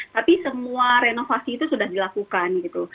tapi semua re inovasi itu sudah dilakukan